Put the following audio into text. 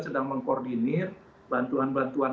sedang mengkoordinir bantuan bantuan